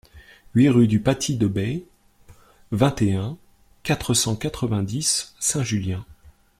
huit rue du Pâtis de Bey, vingt et un, quatre cent quatre-vingt-dix, Saint-Julien